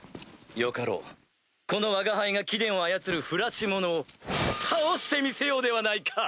よかろうこのわが輩が貴殿を操る不埒者を倒してみせようではないか。